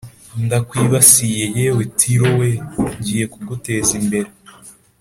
ndakwibasiye yewe Tiro we ngiye kuguteza imbere